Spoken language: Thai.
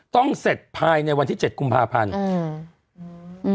ก็เสร็จภายในวันที่๗กุมภาพันธุ์